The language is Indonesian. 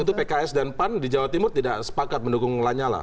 tentu pks dan pan di jawa timur tidak sepakat mendukung lanyala